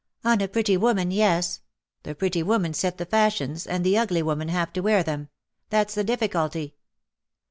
" On a pretty woman — yes. The pretty women set the fashions and the ugly women have to wear them — that's the difficulty."